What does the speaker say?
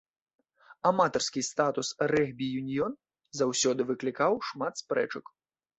Аматарскі статус рэгбі-юніён заўсёды выклікаў шмат спрэчак.